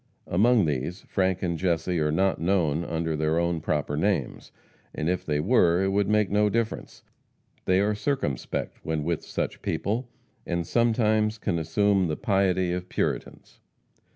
Among these, Frank and Jesse are not known under their own proper names, and if they were it would make no difference. They are circumspect when with such people, and sometimes can assume the piety of Puritans.